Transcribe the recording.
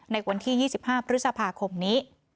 ในวันที่๒๕พฤษภาคมนี้